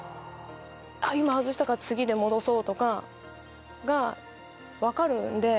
あっ今外したから次で戻そうとかが分かるんで。